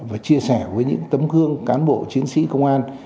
và chia sẻ với những tấm gương cán bộ chiến sĩ công an